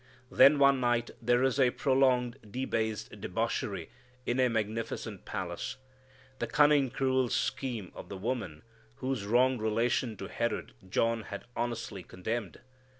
Then one night there is a prolonged, debased debauchery in a magnificent palace; the cunning, cruel scheme of the woman whose wrong relation to Herod John had honestly condemned.